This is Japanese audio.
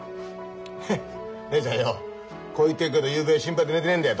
ヘッ姉ちゃんよおこう言ってっけどゆうべは心配で寝てねえんだよ